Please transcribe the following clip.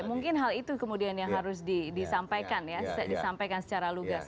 oke mungkin hal itu kemudian yang harus disampaikan secara lugas